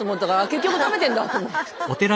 結局食べてんだと思って。